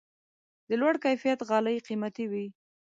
د لوړ کیفیت غالۍ قیمتي وي.